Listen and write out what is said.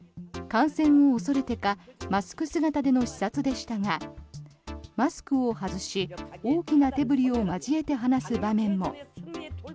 感染を恐れてかマスク姿での視察でしたがマスクを外し大きな手ぶりを交えて話す場面も。